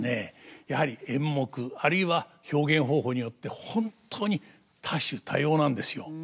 やはり演目あるいは表現方法によって本当に多種多様なんですよ。